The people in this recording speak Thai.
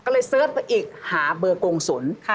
ก็เลยเสิร์ชไปอีกหาเบอร์โกงสุน